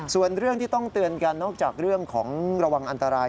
ส่วนเรื่องที่ต้องเตือนกันนอกจากเรื่องของระวังอันตราย